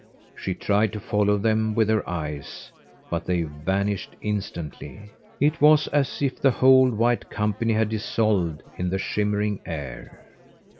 She tried to follow them with her eyes, but they vanished instantly. It was as if the whole white company had dissolved in the shimmering air.